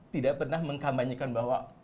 tidak pernah mengkambanyikan bahwa